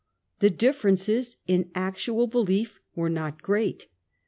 The differences in °y^^^* '^'"^ actual belief were not great.